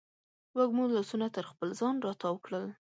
وږمو لاسونه تر خپل ځان راتاو کړل